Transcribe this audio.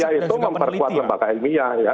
justru tukar saya itu memperkuat lembaga ilmiah